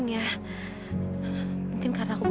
dia bisa juga straight